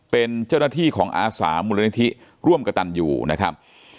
เป็นเจ้าหน้าที่ของอาสามูลนิธิร่วมกระตันอยู่นะครับ